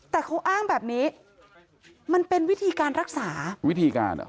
แต่เขาอ้างแบบนี้มันเป็นวิธีการรักษาวิธีการเหรอ